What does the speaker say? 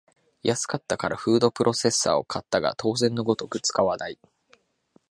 安かったからフードプロセッサーを買ったが当然のごとく使わない